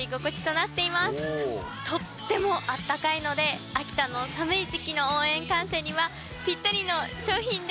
とってもあったかいので秋田の寒い時期の応援観戦にはピッタリの商品です。